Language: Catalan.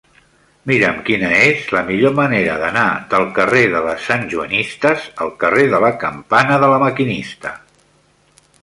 Mira'm quina és la millor manera d'anar del carrer de les Santjoanistes al carrer de la Campana de La Maquinista.